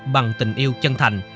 bằng tình yêu chân thành